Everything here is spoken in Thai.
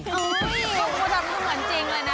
พี่คุณก็ทำให้เหมือนจริงเลยนะ